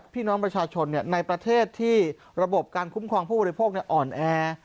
พี่น้องประชาชนในประเทศที่ระบบการคุ้มครองผู้บริโภคอ่อนแอ